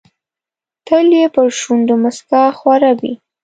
تل یې پر شونډو موسکا خوره وي.